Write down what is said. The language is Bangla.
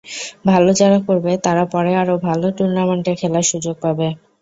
ভালো যারা করবে, তারা পরে আরও ভালো টুর্নামেন্টে খেলার সুযোগ পাবে।